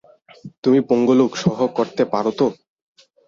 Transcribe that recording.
তুমি পঙ্গু লোক সহ্য করতে পার তো?